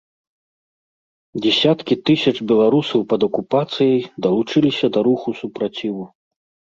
Дзесяткі тысяч беларусаў пад акупацыяй далучыліся да руху супраціву.